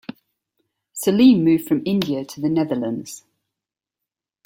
Salim moved from India to the Netherlands.